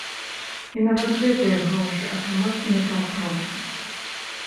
І нават гэтыя грошы атрымаць не так проста.